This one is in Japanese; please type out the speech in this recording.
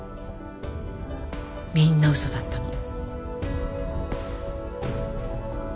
みんな嘘だったの。